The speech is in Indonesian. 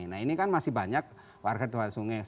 nah ini kan masih banyak warga di bawah sungai